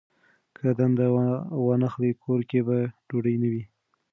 که دنده وانخلي، کور کې به ډوډۍ نه وي.